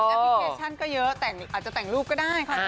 พลิเคชันก็เยอะแต่อาจจะแต่งรูปก็ได้ค่ะ